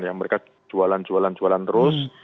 yang mereka jualan jualan jualan terus